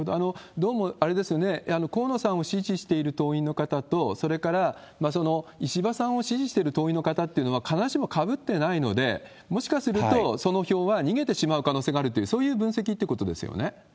どうも、あれですよね、河野さんを支持している党員の方と、それから石破さんを支持してる党員の方っていうのは、必ずしもかぶってないので、もしかすると、その票は逃げてしまう可能性があるという、そういう分析ってことですよね？